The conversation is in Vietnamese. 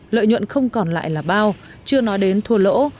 lợi nhuận không còn lại là bao chưa nói đến thua lỗ